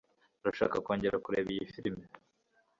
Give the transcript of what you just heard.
Urashaka kongera kureba iyi firime?